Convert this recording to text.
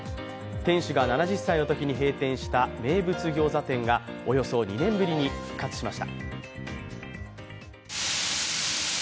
店主が７０歳の時に閉店した名物ギョーザ店がおよそ２年ぶりに復活しました。